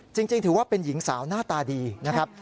จริงถือว่าเป็นหญิงสาวหน้าตาดีนะครับ